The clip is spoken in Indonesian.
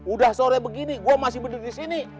udah sore begini gue masih berdiri di sini